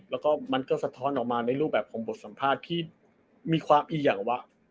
แล้วก็มันก็สะท้อนออกมาในรูปแบบของบทสัมภาษณ์ที่มีความอีกอย่างว่า